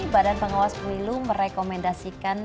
badan pengawas pemilu merekomendasikan